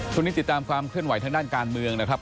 ติดตามความเคลื่อนไหวทางด้านการเมืองนะครับ